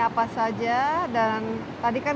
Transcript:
apa saja dan tadi kan